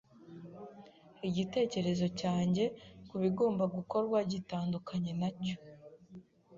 Igitekerezo cyanjye kubigomba gukorwa gitandukanye nacyo.